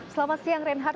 selamat siang reinhard